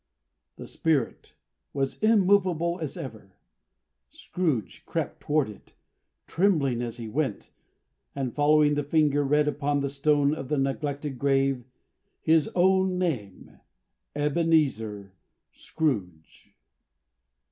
The Spirit was immovable as ever. Scrooge crept toward it, trembling as he went; and following the finger, read upon the stone of the neglected grave his own name, EBENEZER SCROOGE.